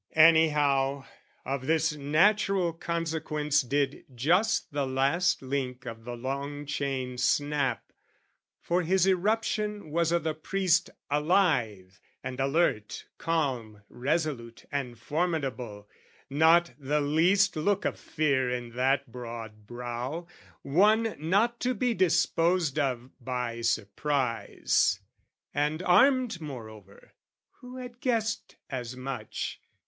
Anyhow, of this natural consequence Did just the last link of the long chain snap: For his eruption was o' the priest, alive And alert, calm, resolute, and formidable, Not the least look of fear in that broad brow One not to be disposed of by surprise, And armed moreover who had guessed as much?